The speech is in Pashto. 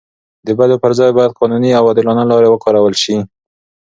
د بدو پر ځای باید قانوني او عادلانه لارې وکارول سي.